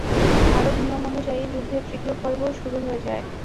আরব নিয়ম অনুযায়ী যুদ্ধের দ্বিতীয় পর্ব শুরু হয়ে যায়।